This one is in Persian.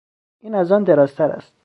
این از آن دراز تر است.